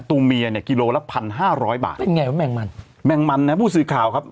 ตัวเมียเนี่ยกิโลละพันห้าร้อยบาทเป็นไงว่าแมงมันแมงมันนะผู้สื่อข่าวครับ